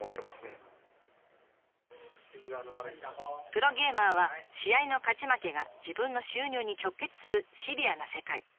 プロゲーマーは試合の勝ち負けが自分の収入に直結するシビアな世界。